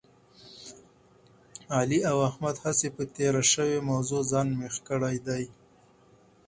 علي او احمد هسې په تېره شوې موضوع ځان مېخ کړی دی.